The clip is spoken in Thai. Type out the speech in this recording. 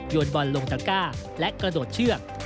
โยนบอลลงจังก้าและกระโดดเชือก